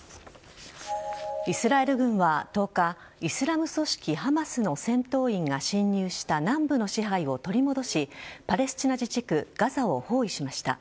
イスラエル軍は１０日イスラム組織ハマスの戦闘員が侵入した南部の支配を取り戻しパレスチナ自治区・ガザを包囲しました。